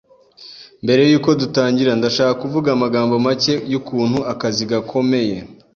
Mbere yuko dutangira, ndashaka kuvuga amagambo make yukuntu akazi gakomeye.